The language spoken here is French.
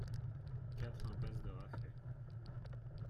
quatre impasse de Raffet